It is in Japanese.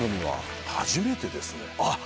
あっ